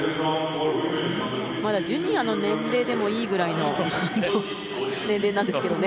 まだジュニアの年齢でもいいぐらいの年齢なんですけどね。